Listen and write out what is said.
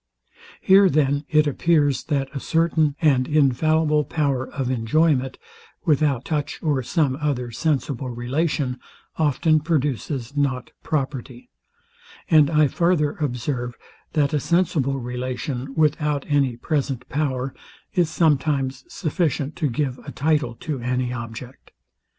Here then it appears, that a certain and infallible power of enjoyment, without touch or some other sensible relation, often produces not property: And I farther observe, that a sensible relation, without any present power, is sometimes sufficient to give a title to any object.